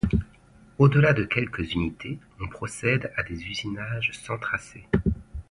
Au delà de quelques unités, on procède à des usinages sans tracé.